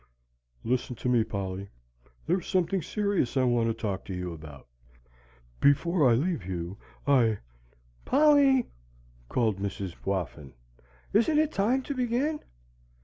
"Listen to me, Polly. There is something serious I want to talk to you about. Before I leave you, I " "Polly," called Mrs. Whoffin, "isn't it time to begin?"